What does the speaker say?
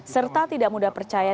serta tidak mudah percaya